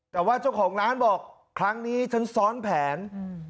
แต่ว่าเจ้าของร้านบอกครั้งนี้ฉันซ้อนแผนอืม